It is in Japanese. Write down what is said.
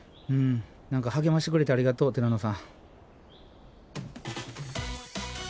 何か励ましてくれてありがとうティラノさん。